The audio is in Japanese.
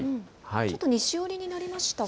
ちょっと西寄りになりましたか？